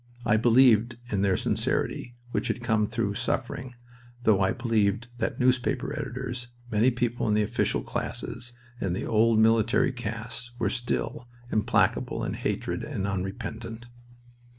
I believed in their sincerity, which had come through suffering, though I believed that newspaper editors, many people in the official classes, and the old military caste were still implacable in hatred and unrepentant.